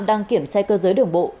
đang kiểm xe cơ giới đường bộ